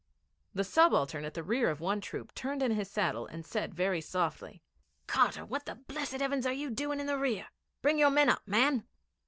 The subaltern at the rear of one troop turned in his saddle and said very softly: 'Carter, what the blessed heavens are you doing at the rear? Bring your men up, man.'